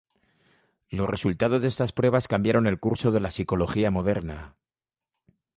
Los resultados de estas pruebas cambiaron el curso de la psicología moderna.